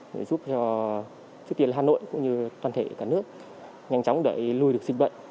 để giúp cho trước tiên hà nội cũng như toàn thể cả nước nhanh chóng đẩy lùi được dịch bệnh